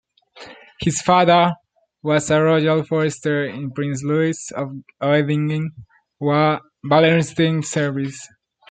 His father was a royal forester in Prince Louis of Oettingen-Wallerstein's service.